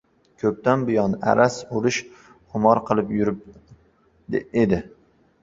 Ko‘pdan buyon araz urish xumor qilib yurib edi.